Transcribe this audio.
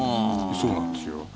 そうなんですよ。